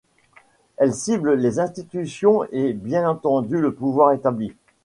Elles ciblent les institutions et bien entendu le pouvoir établi.